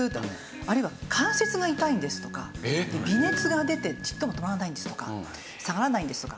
あるいは関節が痛いんですとか微熱が出てちっとも止まらないんですとか下がらないんですとか。